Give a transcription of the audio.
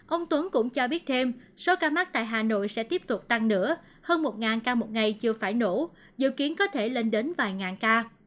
ông tuấn cũng cho biết thêm số ca mắc tại hà nội sẽ tiếp tục tăng nữa hơn một ca một ngày chưa phải nổ dự kiến có thể lên đến vài ngàn ca